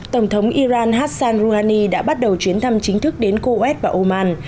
tổng thống iran hassan rouhani đã bắt đầu chuyến thăm chính thức đến kuwait và oman